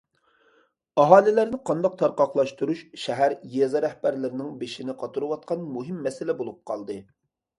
ئاھالىلەرنى قانداق تارقاقلاشتۇرۇش شەھەر، يېزا رەھبەرلىرىنىڭ بېشىنى قاتۇرۇۋاتقان مۇھىم مەسىلە بولۇپ قالدى.